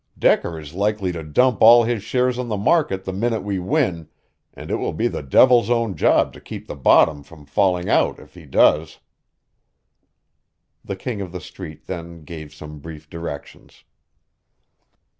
Decker is likely to dump all his shares on the market the minute we win, and it will be the devil's own job to keep the bottom from falling out if he does." The King of the Street then gave some brief directions.